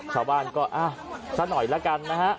ชาวบ้านก็ะสักหน่อยแล้วกันนะฮะ